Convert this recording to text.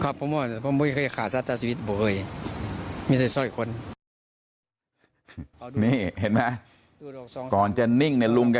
ครับผมไม่เคยขาดศาสตร์ใส่ชีวิตอาจมีทุกคน